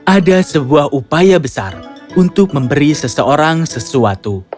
ada sebuah upaya besar untuk memberi seseorang sesuatu